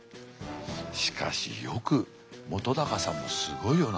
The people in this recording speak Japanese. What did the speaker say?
しかしよく本さんもすごいよな。